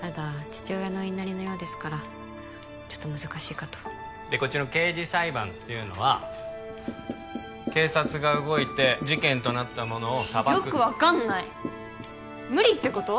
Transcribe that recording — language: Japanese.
ただ父親の言いなりのようですからちょっと難しいかとでこっちの刑事裁判っていうのは警察が動いて事件となったものを裁くよく分かんない無理ってこと？